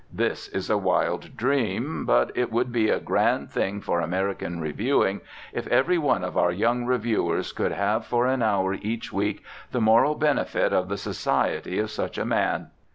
This is a wild dream, but it would be a grand thing for American reviewing if every one of our young reviewers could have for an hour each week the moral benefit of the society of such a man.